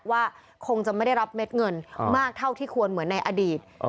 ว่าคงจะไม่ได้รับเม็ดเงินมากเท่าที่ควรเหมือนในอดีต